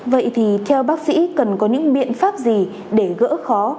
vậy thì theo bác sĩ cần có những biện pháp gì để gỡ khó